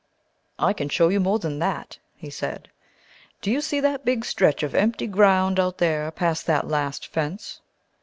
"I can show you more than that," he said. "Do you see that big stretch of empty ground out there past that last fence?"